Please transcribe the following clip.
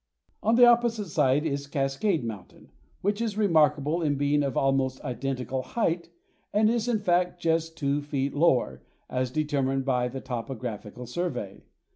On the opposite side is Cascade Mountain, which is remarkable in being of almost identical height, and is in fact just two feet lower, as determined by the topographical survey.